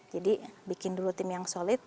jadi bikin dulu tim yang solid